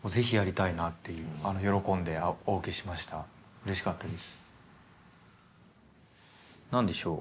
うれしかったです。